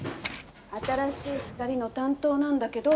新しい２人の担当なんだけど。